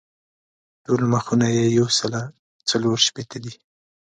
ټول مخونه یې یو سل څلور شپېته دي.